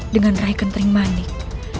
dengan rai kentering manik